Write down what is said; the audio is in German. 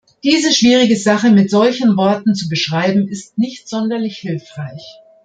Diese schwierige Sache mit solchen Worten zu beschreiben, ist nicht sonderlich hilfreich.